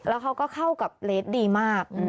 แล้วเขาก็เข้ากับเลสดีมาก